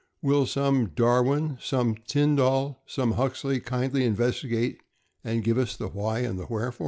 Will some Darwin, some Tyndall, or some Huxley kindly investigate and give us the why and the wherefore?